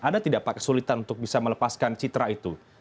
ada tidak pak kesulitan untuk bisa melepaskan citra itu